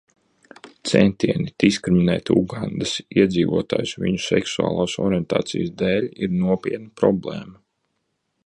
Centieni diskriminēt Ugandas iedzīvotājus viņu seksuālās orientācijas dēļ ir nopietna problēma.